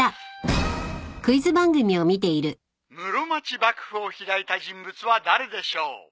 室町幕府を開いた人物は誰でしょう？